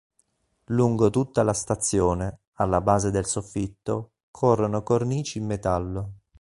Lungo tutta la stazione, alla base del soffitto, corrono cornici in metallo.